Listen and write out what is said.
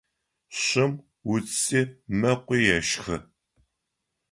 Шым уци мэкъуи ешхы.